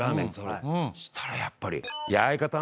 そしたらやっぱり「相方」